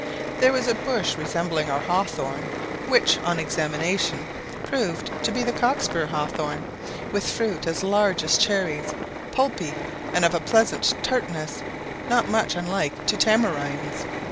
There was a bush resembling our hawthorn, which, on examination, proved to be the cockspur hawthorn, with fruit as large as cherries, pulpy, and of a pleasant tartness not much unlike to tamarinds.